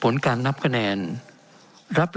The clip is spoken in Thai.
เป็นของสมาชิกสภาพภูมิแทนรัฐรนดร